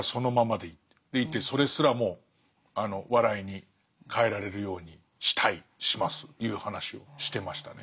でいてそれすらも笑いに変えられるようにしたいしますという話をしてましたね。